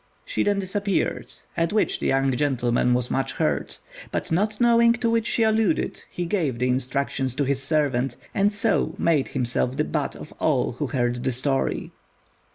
She then disappeared, at which the young gentleman was much hurt; but not knowing to what she alluded, he gave the instructions to his servant, and so made himself the butt of all who heard the story.